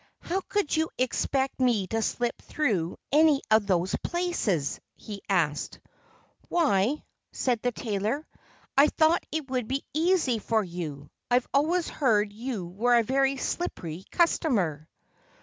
"How could you expect me to slip through any of those places?" he asked. "Why " said the tailor "I thought it would be easy for you. I've always heard you were a very slippery customer."